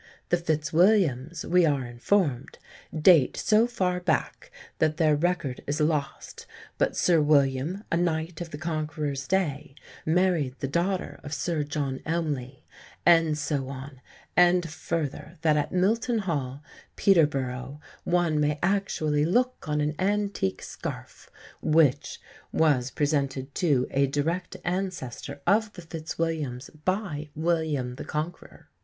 "The Fitzwilliams," we are informed, "date so far back that their record is lost, but Sir William, a knight of the Conqueror's day, married the daughter of Sir John Elmley," and so on; and further, that at Milton Hall, Peterborough, one may actually look on an antique scarf which "was presented to a direct ancestor of the Fitzwilliams by William the Conqueror."